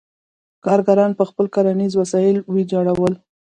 کارګران به خپل کرنیز وسایل ویجاړول.